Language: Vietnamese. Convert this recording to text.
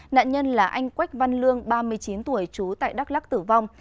nạn nhân là anh quách văn lương ba mươi chín tuổi trú tại đắk lắc tử vong